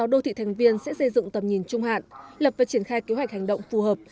sáu đô thị thành viên sẽ xây dựng tầm nhìn trung hạn lập và triển khai kế hoạch hành động phù hợp